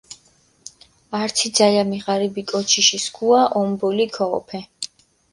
ართი ძალამი ღარიბი კოჩიში სქუა ომბოლი ქოჸოფე.